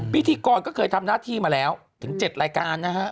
พิธีกรก็เคยทำหน้าที่มาแล้วถึง๗รายการนะฮะ